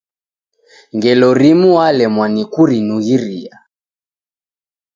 Ngelo rimu w'alemwa ni kurinughiria.